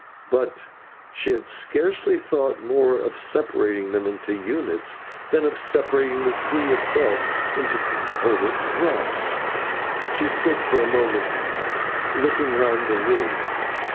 But, she had scarcely thought more of separating them into units, than of separating the sea itself into its component drops. She stood for some moments looking round the room.